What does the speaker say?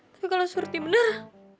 tapi kalo surti bener